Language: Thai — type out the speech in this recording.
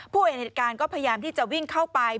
ผู้เองในอัดการณ์ก็พยายามที่จะวิ่งเข้าไป